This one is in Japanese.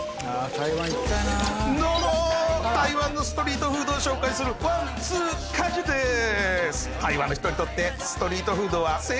台湾行きたいなあどうも台湾のストリートフードを紹介するワン・ツー・カジでーす